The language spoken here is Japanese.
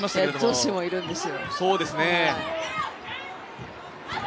女子もいるんですよ。